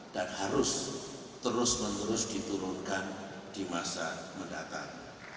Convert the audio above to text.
dan harus terus menerus diturunkan di masa mendatang